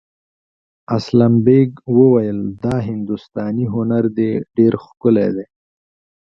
اسلم بېگ وویل دا هندوستاني هنر دی ډېر ښکلی دی.